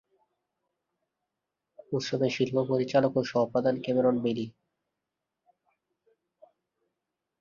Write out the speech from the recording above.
উৎসবের শিল্প পরিচালক ও সহ-প্রধান ক্যামেরন বেইলি।